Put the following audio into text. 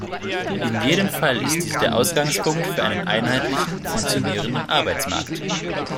In jedem Fall ist dies der Ausgangspunkt für einen einheitlichen, funktionierenden Arbeitsmarkt.